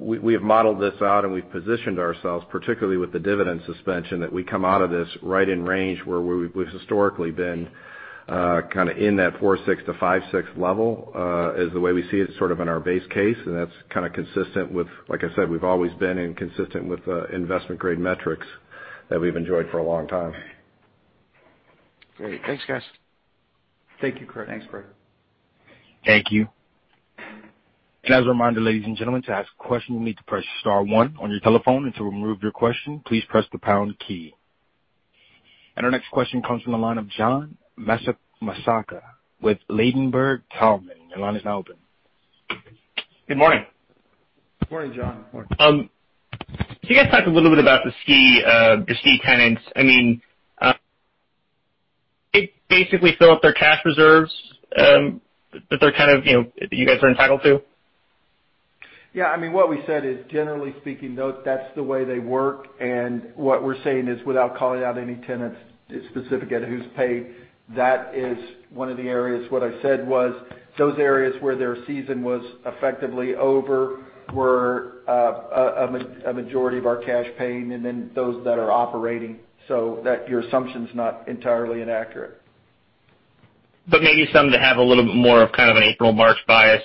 we have modeled this out, and we've positioned ourselves, particularly with the dividend suspension, that we come out of this right in range where we've historically been kind of in that four six to five six level, is the way we see it sort of in our base case, and that's kind of consistent with, like I said, we've always been inconsistent with the investment-grade metrics that we've enjoyed for a long time. Great. Thanks, guys. Thank you, Chris. Thanks, Craig. Thank you. As a reminder, ladies and gentlemen, to ask a question, you'll need to press star one on your telephone, and to remove your question, please press the pound key. Our next question comes from the line of John Massocca with Ladenburg Thalmann. Your line is now open. Good morning. Morning, John. Morning. Can you guys talk a little bit about the ski tenants? I mean, they basically fill up their cash reserves that you guys are entitled to? Yeah. What we said is, generally speaking, that's the way they work. What we're saying is, without calling out any tenants specific at who's paid, that is one of the areas. What I said was, those areas where their season was effectively over were a majority of our cash paying and then those that are operating. Your assumption's not entirely inaccurate. Maybe some that have a little bit more of kind of an April, March bias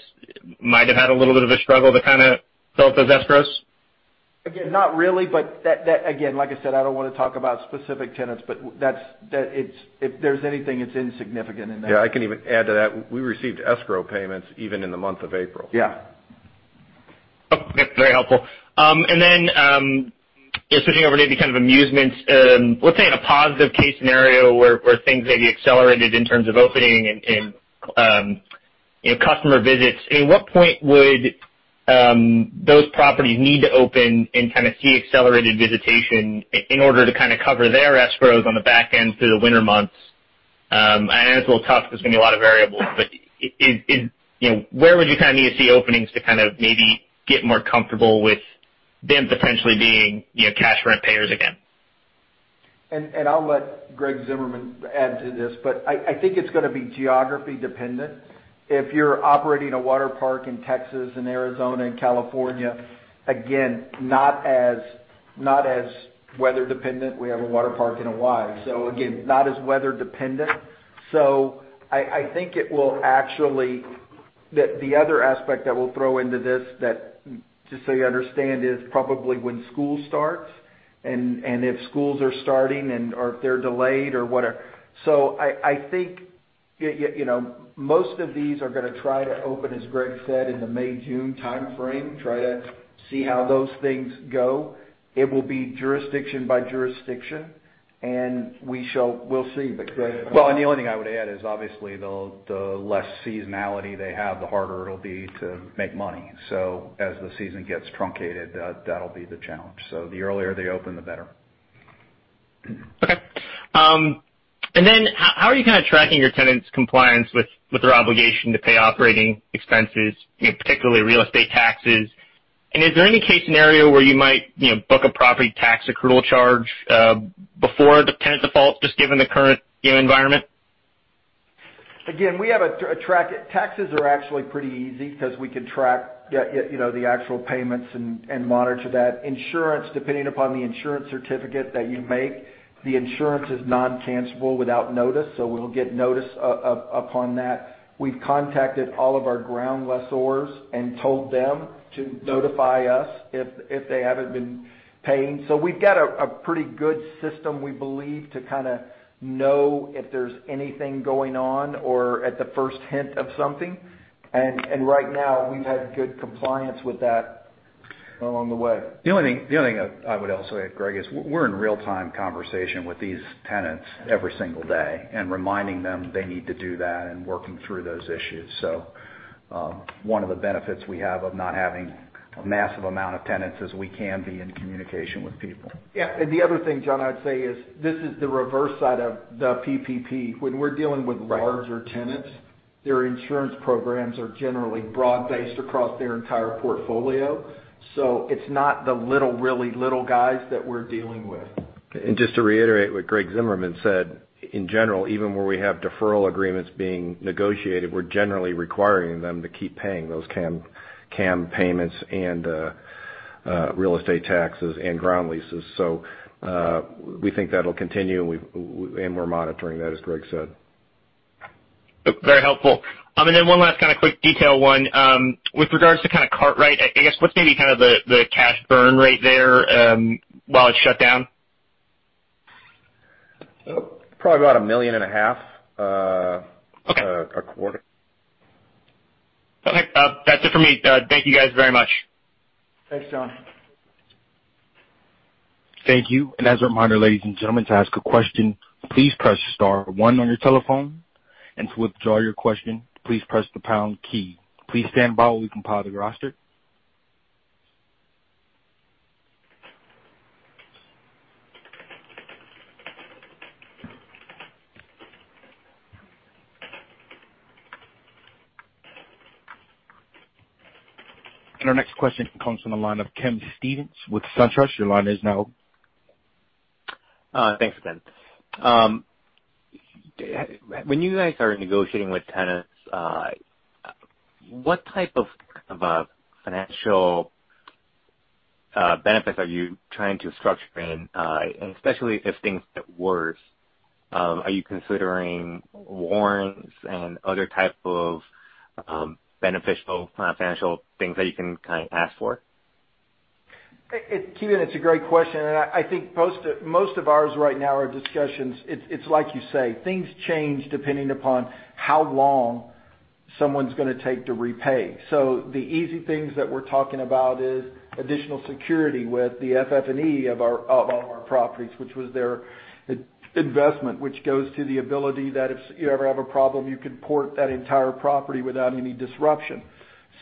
might have had a little bit of a struggle to kind of build those escrows? Again, not really, but again, like I said, I don't want to talk about specific tenants, but if there's anything, it's insignificant in that. Yeah, I can even add to that. We received escrow payments even in the month of April. Yeah. Okay. Very helpful. Yeah, switching over to maybe kind of amusements. Let's say in a positive case scenario where things maybe accelerated in terms of opening and customer visits, at what point would those properties need to open and see accelerated visitation in order to cover their escrows on the back end through the winter months? I know it's a little tough because there's going to be a lot of variables, but where would you need to see openings to maybe get more comfortable with them potentially being cash rent payers again? I'll let Greg Zimmerman add to this, but I think it's going to be geography dependent. If you're operating a water park in Texas and Arizona and California, again, not as weather dependent. We have a water park in Hawaii. Again, not as weather dependent. The other aspect that we'll throw into this, just so you understand, is probably when school starts and if schools are starting or if they're delayed or whatever. I think most of these are going to try to open, as Greg said, in the May, June timeframe, try to see how those things go. It will be jurisdiction by jurisdiction, and we'll see. Greg- The only thing I would add is obviously the less seasonality they have, the harder it'll be to make money. As the season gets truncated, that'll be the challenge. The earlier they open, the better. Okay. How are you tracking your tenants' compliance with their obligation to pay operating expenses, particularly real estate taxes? Is there any case scenario where you might book a property tax accrual charge before the tenant defaults, just given the current environment? Taxes are actually pretty easy because we can track the actual payments and monitor that. Insurance, depending upon the insurance certificate that you make, the insurance is non-cancelable without notice, we'll get notice upon that. We've contacted all of our ground lessors and told them to notify us if they haven't been paying. We've got a pretty good system, we believe, to know if there's anything going on or at the first hint of something. Right now, we've had good compliance with that along the way. The only thing I would also add, Greg, is we're in real-time conversation with these tenants every single day and reminding them they need to do that and working through those issues. One of the benefits we have of not having a massive amount of tenants is we can be in communication with people. Yeah. The other thing, John, I'd say is this is the reverse side of the PPP. When we're dealing with larger tenants, their insurance programs are generally broad-based across their entire portfolio. It's not the little, really little guys that we're dealing with. Just to reiterate what Greg Zimmerman said, in general, even where we have deferral agreements being negotiated, we're generally requiring them to keep paying those CAM payments and real estate taxes and ground leases. We think that'll continue, and we're monitoring that, as Greg said. Very helpful. One last kind of quick detail one. With regards to Kartrite, I guess what's maybe the cash burn rate there while it's shut down? Probably about a million and a half dollars a quarter. Okay. That's it for me. Thank you guys very much. Thanks, John. Thank you. As a reminder, ladies and gentlemen, to ask a question, please press star one on your telephone, and to withdraw your question, please press the pound key. Please stand by while we compile the roster. Our next question comes from the line of Kevin Stephens with SunTrust. Your line is now open. Thanks, Ben. When you guys are negotiating with tenants, what type of financial benefits are you trying to structure in? Especially if things get worse, are you considering warrants and other type of beneficial financial things that you can ask for? Ken, it's a great question. I think most of ours right now are discussions. It's like you say, things change depending upon how long someone's going to take to repay. The easy things that we're talking about is additional security with the FF&E of all of our properties, which was their investment, which goes to the ability that if you ever have a problem, you can port that entire property without any disruption.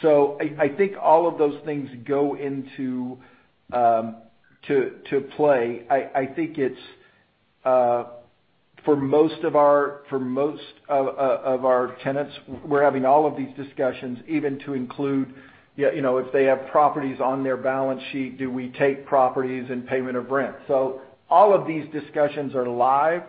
I think all of those things go into play. I think for most of our tenants, we're having all of these discussions even to include if they have properties on their balance sheet, do we take properties in payment of rent? All of these discussions are live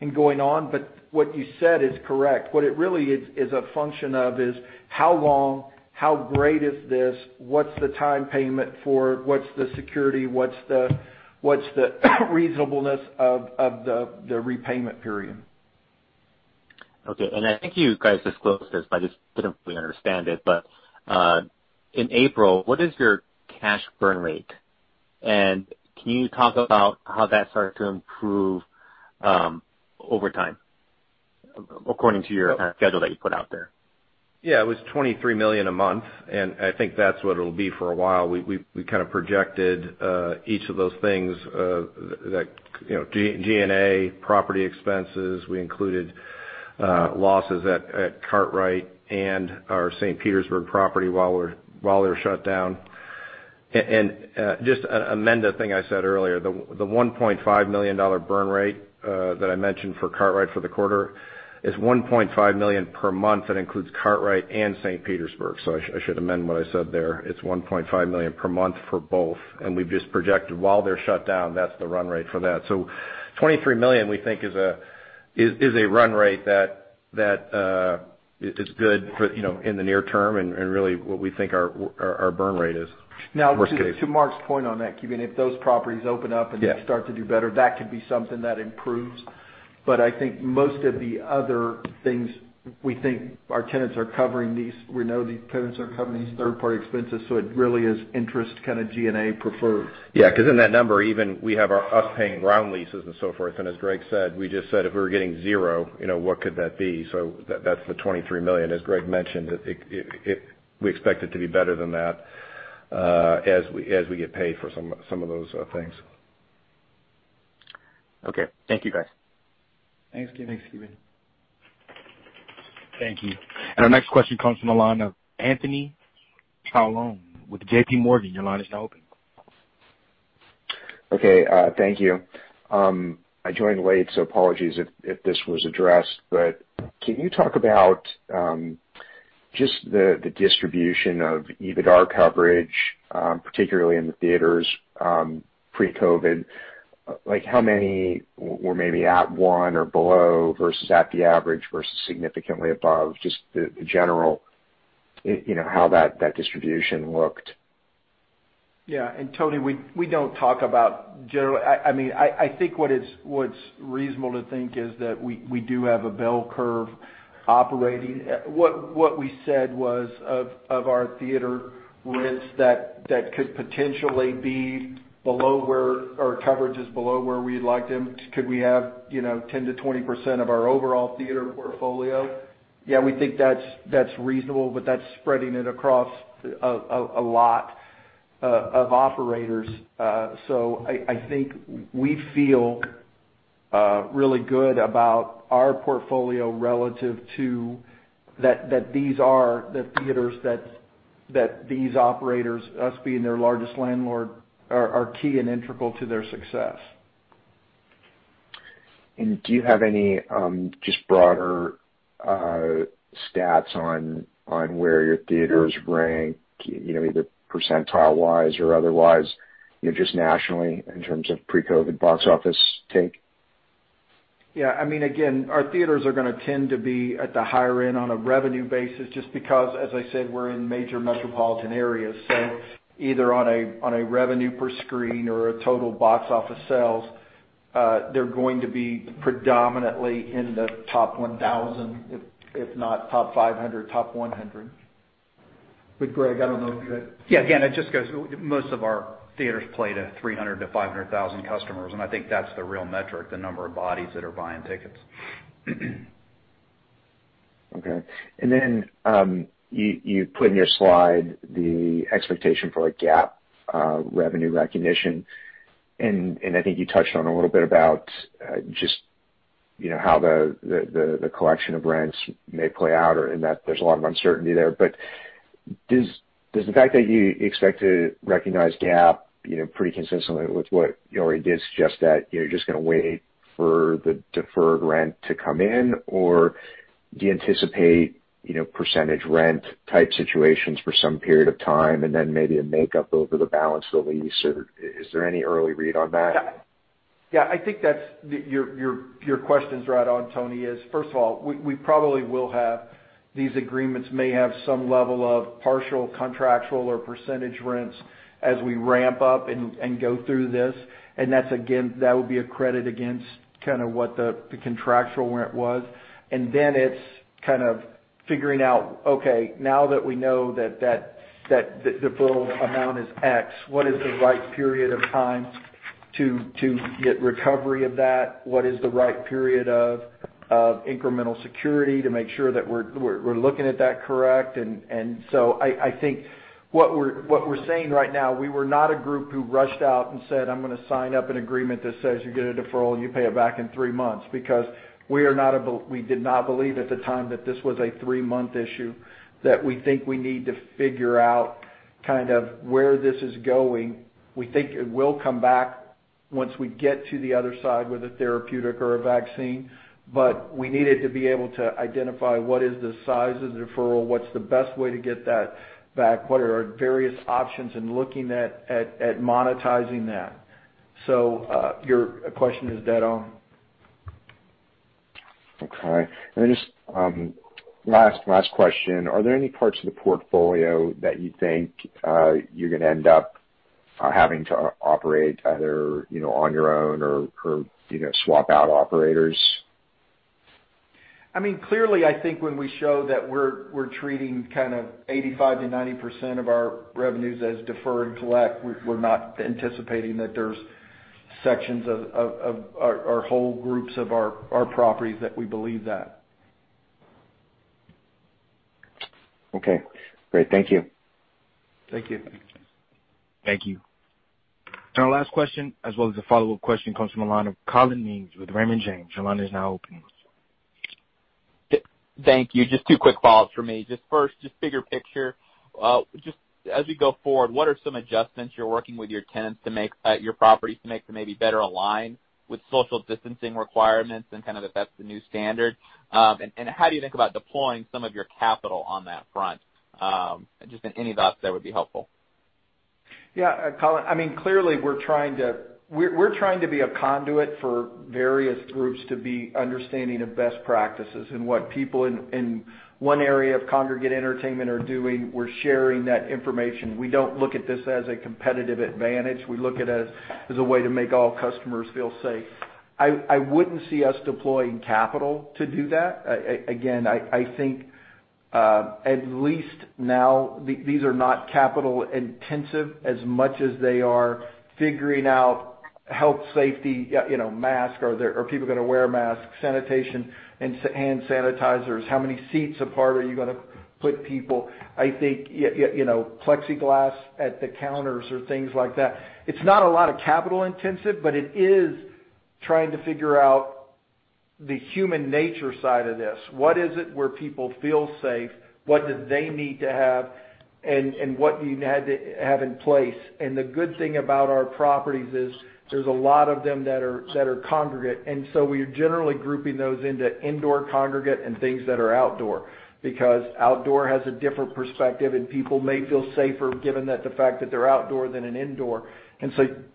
and going on. What you said is correct. What it really is a function of is how long, how great is this? What's the time payment for? What's the security? What's the reasonableness of the repayment period? Okay. I think you guys disclosed this, but I just didn't fully understand it. In April, what is your cash burn rate? Can you talk about how that started to improve over time according to your schedule that you put out there? Yeah. It was $23 million a month, and I think that's what it'll be for a while. We kind of projected each of those things, G&A, property expenses. We included losses at Kartrite and our St. Petersburg property while they were shut down. Just to amend the thing I said earlier, the $1.5 million burn rate that I mentioned for Kartrite for the quarter is $1.5 million per month. That includes Kartrite and St. Petersburg. I should amend what I said there. It's $1.5 million per month for both, and we've just projected while they're shut down, that's the run rate for that. $23 million, we think is a run rate that is good in the near term and really what we think our burn rate is. To Mark's point on that, Ken, if those properties open up and they start to do better, that could be something that improves. I think most of the other things, we think our tenants are covering these. We know these tenants are covering these third-party expenses, so it really is interest kind of G&A preferred. Yeah, because in that number even, we have us paying ground leases and so forth. As Greg said, we just said if we were getting zero, what could that be? That's the $23 million. As Greg mentioned, we expect it to be better than that as we get paid for some of those things. Okay. Thank you, guys. Thanks, Ken. Thanks, Ken. Thank you. Our next question comes from the line of Anthony Paolone with JPMorgan. Your line is now open. Okay, thank you. I joined late, so apologies if this was addressed, but can you talk about just the distribution of EBITDAR coverage, particularly in the theaters pre-COVID? How many were maybe at one or below versus at the average versus significantly above, just the general, how that distribution looked? Tony, I think what's reasonable to think is that we do have a bell curve operating. What we said was of our theater rents that could potentially be below where our coverage is below where we'd like them, could we have 10%-20% of our overall theater portfolio? We think that's reasonable, but that's spreading it across a lot of operators. I think we feel really good about our portfolio relative to that these are the theaters that these operators, us being their largest landlord, are key and integral to their success. Do you have any just broader stats on where your theaters rank, either percentile-wise or otherwise, just nationally in terms of pre-COVID box office take? Yeah. Again, our theaters are going to tend to be at the higher end on a revenue basis just because, as I said, we're in major metropolitan areas. Either on a revenue per screen or a total box office sales, they're going to be predominantly in the top 1,000, if not top 500, top 100. Greg, I don't know if you had. Yeah, again, it just goes, most of our theaters play to 300,000-500,000 customers, and I think that's the real metric, the number of bodies that are buying tickets. Okay. You put in your slide the expectation for GAAP revenue recognition, and I think you touched on a little bit about just how the collection of rents may play out and that there's a lot of uncertainty there. Does the fact that you expect to recognize GAAP pretty consistently with what you already did suggest that you're just going to wait for the deferred rent to come in? Do you anticipate percentage rent type situations for some period of time and then maybe a makeup over the balance over lease or is there any early read on that? I think your question's right on, Tony, is first of all, these agreements may have some level of partial contractual or percentage rents as we ramp up and go through this, and that will be a credit against kind of what the contractual rent was. Then it's kind of figuring out, okay, now that we know that the bill amount is X, what is the right period of time to get recovery of that? What is the right period of incremental security to make sure that we're looking at that correct? I think what we're saying right now, we were not a group who rushed out and said, "I'm going to sign up an agreement that says you get a deferral and you pay it back in three months." We did not believe at the time that this was a three-month issue, that we think we need to figure out kind of where this is going. We think it will come back once we get to the other side with a therapeutic or a vaccine, but we needed to be able to identify what is the size of the deferral, what's the best way to get that back, what are our various options in looking at monetizing that. Your question is dead on. Okay. Just last question. Are there any parts of the portfolio that you think you're going to end up having to operate either on your own or swap out operators? Clearly, I think when we show that we're treating kind of 85%-90% of our revenues as defer and collect, we're not anticipating that there's sections of our whole groups of our properties that we believe that. Okay, great. Thank you. Thank you. Thank you. Our last question, as well as the follow-up question, comes from the line of Collin Mings with Raymond James. Your line is now open. Thank you. Just two quick follows from me. Just 1st, just bigger picture. Just as we go forward, what are some adjustments you're working with your tenants to make at your properties to make them maybe better aligned with social distancing requirements and kind of if that's the new standard? How do you think about deploying some of your capital on that front? Just any thoughts there would be helpful. I mean, clearly we're trying to be a conduit for various groups to be understanding of best practices and what people in one area of congregate entertainment are doing, we're sharing that information. We don't look at this as a competitive advantage. We look at it as a way to make all customers feel safe. I wouldn't see us deploying capital to do that. Again, I think, at least now these are not capital intensive as much as they are figuring out health safety, mask. Are people gonna wear masks? Sanitation and hand sanitizers. How many seats apart are you gonna put people? I think, plexiglass at the counters or things like that. It's not a lot of capital intensive, but it is trying to figure out the human nature side of this. What is it where people feel safe? What do they need to have, and what do you have in place? The good thing about our properties is there's a lot of them that are congregate. We are generally grouping those into indoor congregate and things that are outdoor, because outdoor has a different perspective, and people may feel safer given that the fact that they're outdoor than in indoor.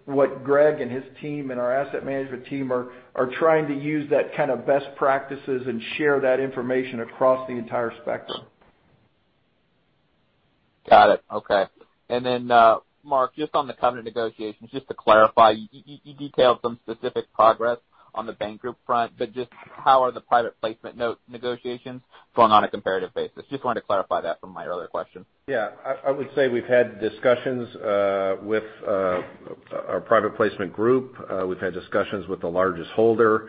What Greg and his team and our asset management team are trying to use that kind of best practices and share that information across the entire spectrum. Got it. Okay. Mark, just on the covenant negotiations, just to clarify, you detailed some specific progress on the bank group front, but just how are the private placement note negotiations going on a comparative basis? Just wanted to clarify that from my earlier question. Yeah. I would say we've had discussions with our private placement group. We've had discussions with the largest holder.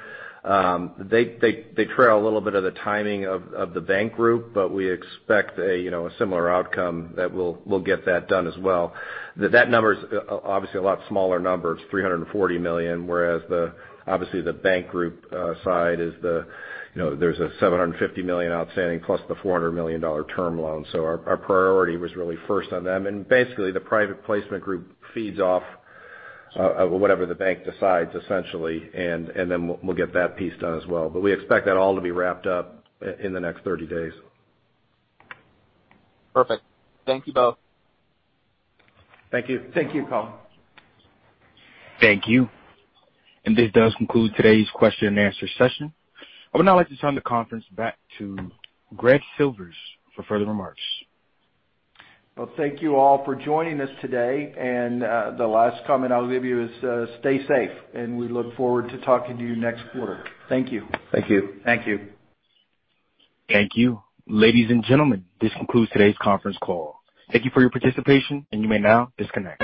They trail a little bit of the timing of the bank group, but we expect a similar outcome that we'll get that done as well. That number's obviously a lot smaller number. It's $340 million, whereas obviously the bank group side, there's a $750 million outstanding plus the $400 million term loan. Our priority was really first on them. Basically the private placement group feeds off whatever the bank decides, essentially, and then we'll get that piece done as well. We expect that all to be wrapped up in the next 30 days. Perfect. Thank you both. Thank you. Thank you, Collin. Thank you. This does conclude today's question and answer session. I would now like to turn the conference back to Greg Silvers for further remarks. Well, thank you all for joining us today, and the last comment I'll give you is, stay safe, and we look forward to talking to you next quarter. Thank you. Thank you. Thank you. Thank you. Ladies and gentlemen, this concludes today's conference call. Thank you for your participation, and you may now disconnect.